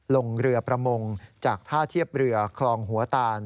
ลงเรือประมงจากท่าเทียบเรือคลองหัวตาล